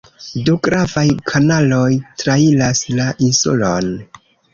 Du gravaj kanaloj trairas la insulon.